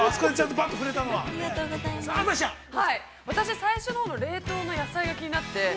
私、最初のほうの冷凍の野菜が気になって。